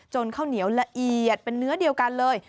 ข้าวเหนียวละเอียดเป็นเนื้อเดียวกันเลย